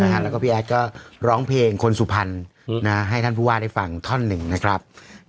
แล้วก็พี่แอดก็ร้องเพลงคนสุพรรณให้ท่านผู้ว่าได้ฟังท่อนหนึ่งนะครับ